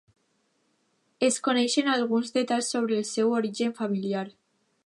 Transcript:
Es coneixen alguns detalls sobre el seu origen familiar.